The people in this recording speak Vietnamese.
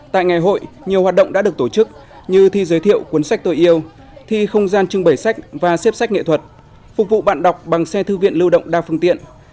tại ngày hội nhiều hoạt động đã được tổ chức như thi giới thiệu cuốn sách tôi yêu thi không gian trưng bày sách và xếp sách nghệ thuật phục vụ bạn đọc bằng xe thư viện lưu động đa phương tiện